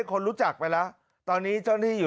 กะลาวบอกว่าก่อนเกิดเหตุ